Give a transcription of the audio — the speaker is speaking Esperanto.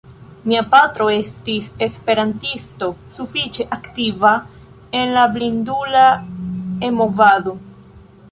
Mia patro estis esperantisto, sufiĉe aktiva en la blindula E-movado.